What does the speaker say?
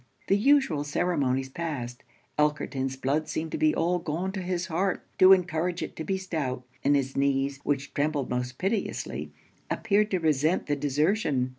The usual ceremonies passed, Elkerton's blood seemed to be all gone to his heart, to encourage it to be stout; and his knees, which trembled most piteously, appeared to resent the desertion.